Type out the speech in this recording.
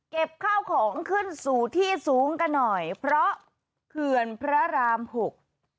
ข้าวของขึ้นสู่ที่สูงกันหน่อยเพราะเขื่อนพระรามหก